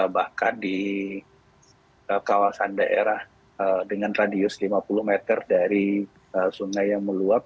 bahkan di kawasan daerah dengan radius lima puluh meter dari sungai yang meluap